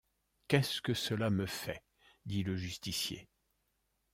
Qu’est-ce que cela me fait ? dit le justicier.